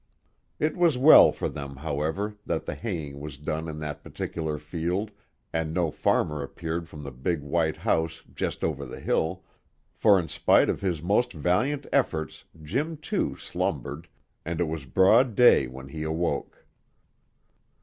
It was well for them, however, that the haying was done in that particular field, and no farmer appeared from the big white house just over the hill, for in spite of his most valiant efforts Jim, too, slumbered, and it was broad day when he awoke.